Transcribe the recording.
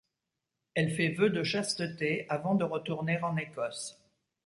Elle fait vœu de chasteté, avant de retourner en Écosse.